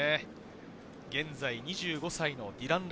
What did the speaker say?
現在２５歳のディラン・